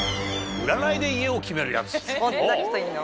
そんな人いるの？